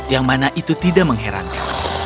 yang mana itu tidak mengherankan